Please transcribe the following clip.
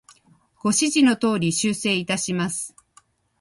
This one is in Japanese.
ご指示の通り、修正いたします。